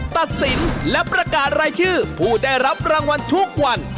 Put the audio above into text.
ตัดสินและประกาศรายชื่อผู้ได้รับรางวัลทุกวัน